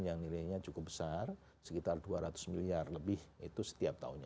yang nilainya cukup besar sekitar dua ratus miliar lebih itu setiap tahunnya